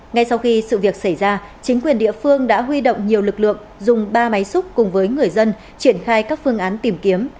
ngay sau khi sự việc xảy ra chính quyền địa phương đã huy động nhiều lực lượng dùng ba máy xúc cùng với người dân triển khai các phương án tìm kiếm